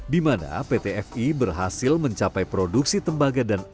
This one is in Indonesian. dimana pt fi berhasil mencapai produksi tembaga dan ekonomi